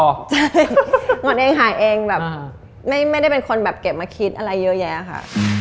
หมอนเองหายเองแบบไม่ได้เป็นคนแบบเก็บมาคิดอะไรเยอะแยะค่ะ